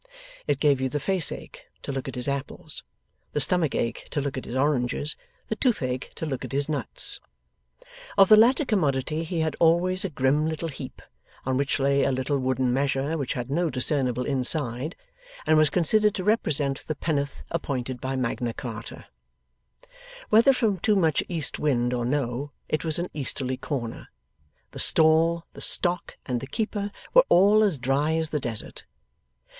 It gave you the face ache to look at his apples, the stomach ache to look at his oranges, the tooth ache to look at his nuts. Of the latter commodity he had always a grim little heap, on which lay a little wooden measure which had no discernible inside, and was considered to represent the penn'orth appointed by Magna Charta. Whether from too much east wind or no it was an easterly corner the stall, the stock, and the keeper, were all as dry as the Desert.